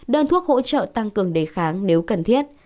đơn thuốc hỗ trợ tăng cường đề kháng nếu cần thiết